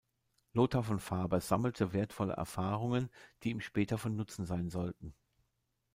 Lothar von Faber sammelte wertvolle Erfahrungen, die ihm später von Nutzen sein sollten.